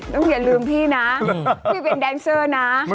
นุ่มอย่าลืมพี่นะ